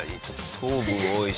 糖分多いし。